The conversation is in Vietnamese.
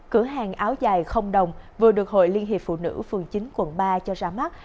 cửa hàng áo dài không đồng vừa được hội liên hiệp phụ nữ phường chín quận ba cho ra mắt